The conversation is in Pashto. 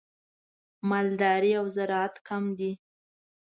مالداري او زراعت کم دي.